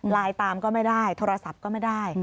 ไลน์ตามก็ไม่ได้โทรศัพท์ก็ไม่ได้